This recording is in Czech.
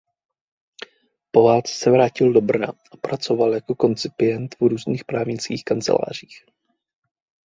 Po válce se vrátil do Brna a pracoval jako koncipient v různých právnických kancelářích.